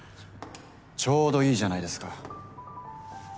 ちょうどいいじゃないですか。